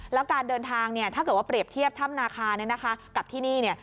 แล้วการเดินทางเนี่ยถ้าเกิดว่าเปรียบเทียบถ้ำนาคาเนี่ยนะคะกับที่นี่เนี่ย